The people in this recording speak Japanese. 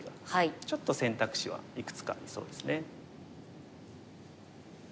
ちょっと選択肢はいくつかありそうですね。